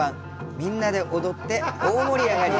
みんなで踊って大盛り上がり。